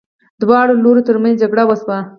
دواړو لورو ترمنځ جګړې وشوې.